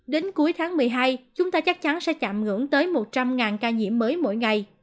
đến cuối tháng một mươi hai chúng ta chắc chắn sẽ chạm ngưỡng tới một trăm linh ca nhiễm mới mỗi ngày